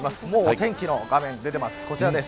天気の画面が出ています。